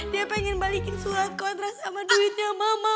dia pengen balikin surat kontras sama duitnya mama